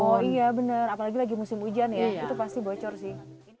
oh iya bener apalagi lagi musim hujan ya itu pasti bocor sih